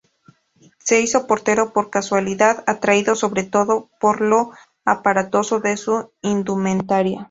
Se hizo portero por casualidad, atraído sobre todo por lo aparatoso de su indumentaria.